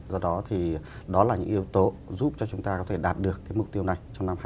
do đó thì đó là những yếu tố giúp cho chúng ta có thể đạt được mục tiêu này